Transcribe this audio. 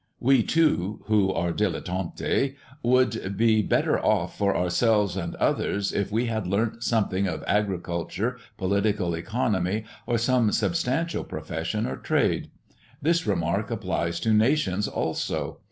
We, too, who are dilettanti, would be better off for ourselves and others, if we had learnt something of agriculture, political economy, or some substantial profession or trade. This remark applies to nations also.